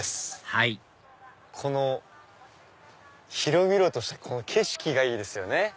はいこの広々とした景色がいいですよね。